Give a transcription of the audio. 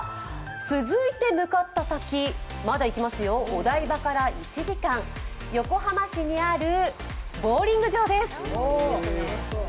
続いて向かった先、まだいきますよお台場から１時間、横浜市にあるボウリング場です。